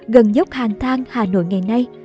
gần dốc hàn thang hà nội ngày nay